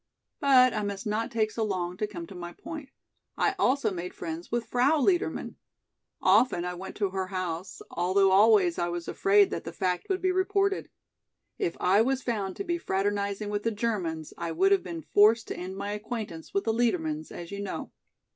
But I must not take so long to come to my point. I also made friends with Frau Liedermann. Often I went to her house, although always I was afraid that the fact would be reported. If I was found to be fraternizing with the Germans I would have been forced to end my acquaintance with the Liedermanns, as you know.